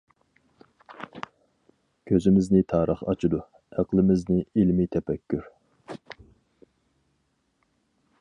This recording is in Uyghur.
كۆزىمىزنى تارىخ ئاچىدۇ، ئەقلىمىزنى ئىلمىي تەپەككۇر!